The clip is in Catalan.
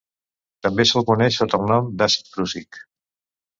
També se'l coneix sota el nom d'àcid prússic.